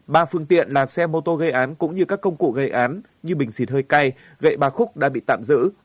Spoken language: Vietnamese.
ba phương tiện là xe mô tô gây án cũng như các công cụ gây án như bình xịt hơi cay gậy ba khúc đã bị tạm giữ